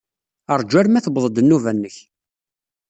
Ṛju arma tuweḍ-d nnubba-nnek.